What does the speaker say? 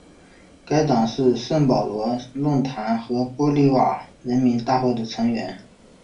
该党是圣保罗论坛和玻利瓦尔人民大会的成员。